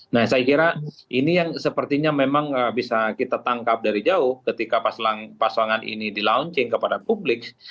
nah saya kira ini yang sepertinya memang bisa kita tangkap dari jauh ketika pasangan ini di launching kepada publik